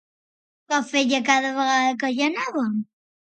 Què feia cada vegada que hi anava?